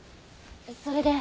それで。